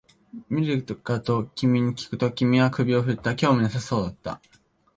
見るかと君にきくと、君は首を振った、興味なさそうだった